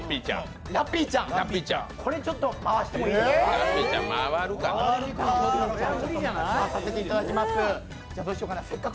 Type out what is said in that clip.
ラッピーちゃん、これちょっと回してもいいですか。